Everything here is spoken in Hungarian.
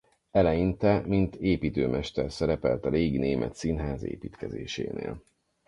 Eleinte mint építőmester szerepelt a régi német színház építkezésénél.